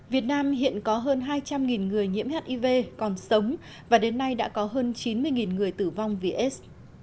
việt nam hiện có hơn hai trăm linh người nhiễm hiv còn sống và đến nay đã có hơn chín mươi người tử vong vì s